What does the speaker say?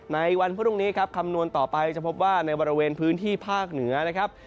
ในวันพรุ่งนี้ครับคำนวณต่อไปจะพบว่าในบริเวณพื้นที่ภาคเหนือนะครับ